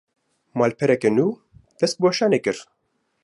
Malpereke nû, dest bi weşanê kir